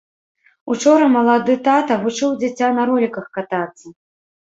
Учора малады тата вучыў дзіця на роліках катацца.